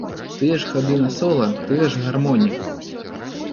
Тыя ж хады на сола, тыя ж гармоніі.